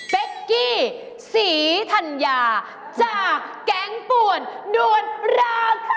เบ๊กกี้ศรีธัญญาจากแก๊งปวดดวนราคา